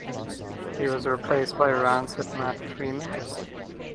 He was replaced by Rancid's Matt Freeman.